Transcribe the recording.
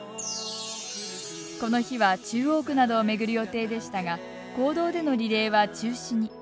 この日は中央区などを巡る予定でしたが公道でのリレーは中止に。